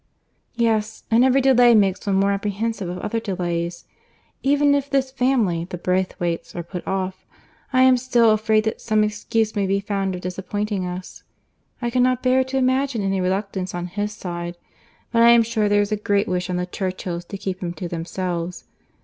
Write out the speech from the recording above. "Yes; and every delay makes one more apprehensive of other delays. Even if this family, the Braithwaites, are put off, I am still afraid that some excuse may be found for disappointing us. I cannot bear to imagine any reluctance on his side; but I am sure there is a great wish on the Churchills' to keep him to themselves.